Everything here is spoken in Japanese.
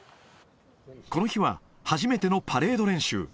この日は初めてのパレード練習。